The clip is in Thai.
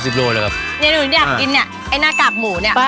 นี่หนูอยากกินเนี่ยไอ้หน้ากากหมูเนี่ย